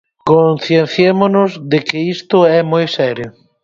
Concienciémonos de que isto é moi serio.